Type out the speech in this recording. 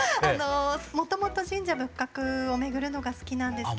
もともと神社仏閣を巡るのが好きなんですけど。